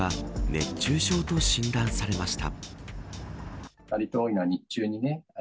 熱中症と診断されました。